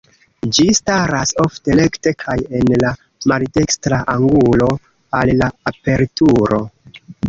Ĝi staras ofte rekte kaj en la maldekstra angulo al la aperturo.